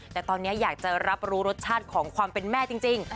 แต่ตอนนี้อยากจะรับรู้รสชาติของความเป็นแม่จริง